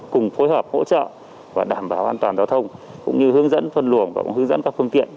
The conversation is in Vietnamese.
cùng phối hợp hỗ trợ và đảm bảo an toàn giao thông cũng như hướng dẫn phân luồng và cũng hướng dẫn các phương tiện